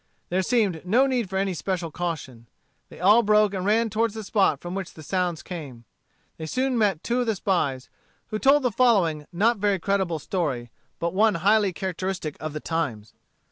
There seemed no need for any special caution. They all broke and ran toward the spot from which the sounds came. They soon met two of the spies, who told the following not very creditable story, but one highly characteristic of the times.